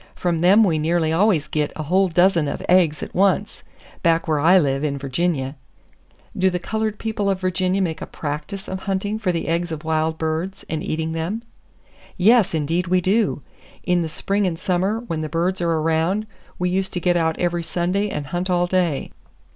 From them we nearly always git a whole dozen of aigs at once,—back where I live, in Virginia." "Do the colored people of Virginia make a practice of hunting for the eggs of wild birds, and eating them?" "Yes, indeed we do. In the spring and summer, when the birds are around, we used to get out every Sunday, and hunt all day.